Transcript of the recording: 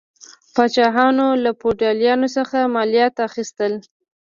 پاچاهانو له فیوډالانو څخه مالیات اخیستل.